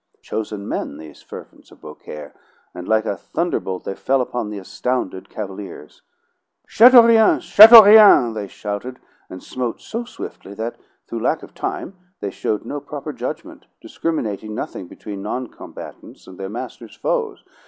Chosen men, these servants of Beaucaire, and like a thunderbolt they fell upon the astounded cavaliers. "Chateaurien! Chateaurien!" they shouted, and smote so swiftly that, through lack of time, they showed no proper judgment, discriminating nothing between non combatants and their master's foes.